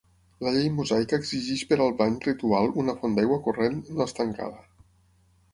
La llei mosaica exigeix per al bany ritual una font d'aigua corrent, no estancada.